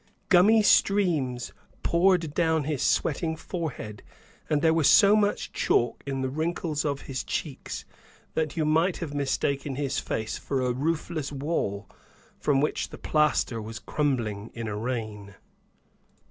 Gummy streams poured down his sweating forehead, and there was so much chalk in the wrinkles of his cheeks that you might have mistaken his face for a roofless wall, from which the plaster was crumbling in a rain.